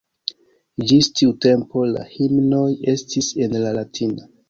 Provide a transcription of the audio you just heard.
Ĝis tiu tempo la himnoj estis en la latina.